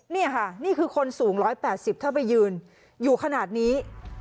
นี่ค่ะนี่คือคนสูง๑๘๐ถ้าไปยืนอยู่ขนาดนี้